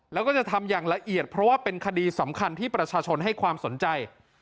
แล้วก็จะทำอย่างละเอียดเพราะว่าเป็นคดีสำคัญที่ประชาชนให้ความสนใจ